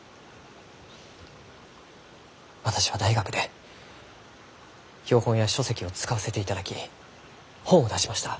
私は大学で標本や書籍を使わせていただき本を出しました。